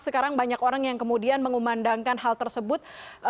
sekarang banyak orang yang kemudian mengumandangkan hal tersebut